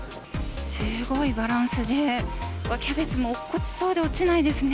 すごいバランスで、キャベツも落っこちそうで落ちないですね。